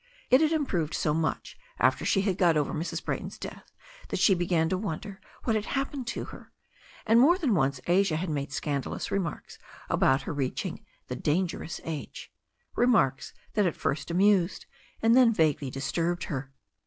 It had improved so much after she had got over Mrs. Bra3rton's death that she began to wonder what had happened to her, and more than once Asia had made scandalous remarks about her reaching the ''danger ous age," remarks that at first amused and then vaguely disturbed her.